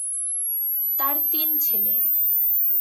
তার তিন ছেলে।